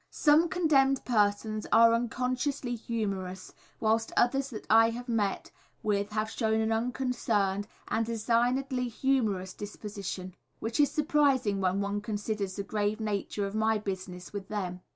_ Some condemned persons are unconsciously humorous, whilst others that I have met with have shown an unconcerned and designedly humorous disposition, which is surprising when one considers the grave nature of my business with them.